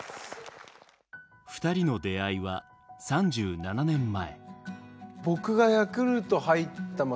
２人の出会いは３７年前。